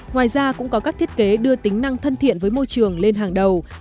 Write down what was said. ngoài ra cũng có các thiết kế đưa tính năng thân thiện với môi trường lên hàng đầu